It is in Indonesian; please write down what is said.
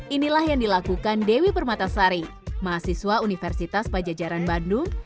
inilah yang dilakukan dewi permatasari mahasiswa universitas pajajaran bandung